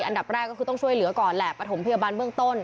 อันดับแรกก็คือต้องช่วยเหลือก่อนแหละประถมพยาบาลเบื้องต้น